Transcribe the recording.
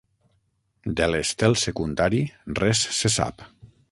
De l'estel secundari res se sap.